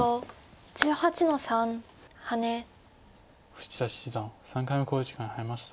富士田七段３回目の考慮時間に入りました。